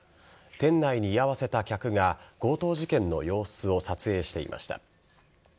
店内に居合わせた客が強盗事件の様子を撮影していました。